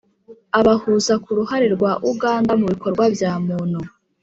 abahuza ku ruhare rwa uganda mu bikorwa bya umuntu